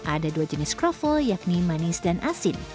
ada dua jenis kroffel yakni manis dan asin